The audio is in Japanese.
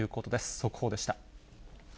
速報でした。